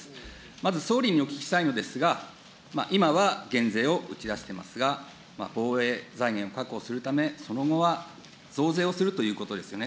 まず総理にお聞きしたいのですが、今は減税を打ち出してますが、防衛財源を確保するため、その後は増税をするということですよね。